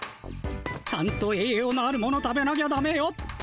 ちゃんとえいようのあるもの食べなきゃダメよって。